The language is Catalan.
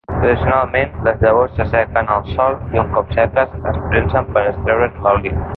Tradicionalment les llavors s'assequen al sol i un cop seques es premsen per extreure'n l'oli.